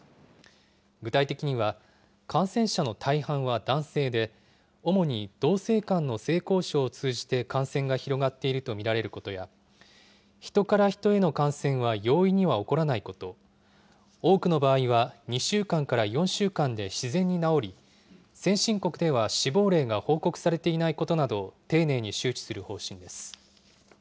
具体的には、感染者の大半は男性で、主に同性間の性交渉を通じて感染が広がっていると見られることや、人から人への感染は用意には起こらないこと、多くの場合は、２週間から４週間で自然に治り、先進国では死亡例が報告されていないことなどを丁寧に周知する方針です。